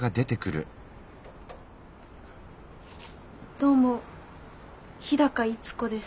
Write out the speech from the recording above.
どうも日高逸子です。